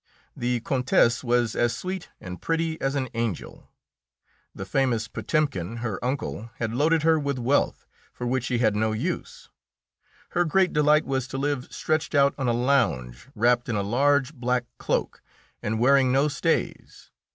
The Countess was as sweet and pretty as an angel. The famous Potemkin, her uncle, had loaded her with wealth, for which she had no use. Her great delight was to live stretched out on a lounge wrapped in a large black cloak, and wearing no stays.